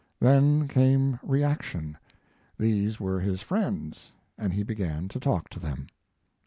Then, came reaction these were his friends, and he began to talk to them.